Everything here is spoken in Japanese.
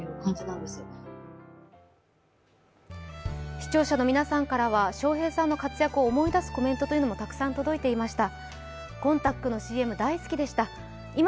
視聴者の皆さんからは笑瓶さんの活躍を思い出すコメントもたくさん届いていました。